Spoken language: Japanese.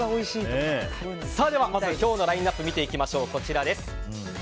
では、まず今日のラインアップを見ていきましょう。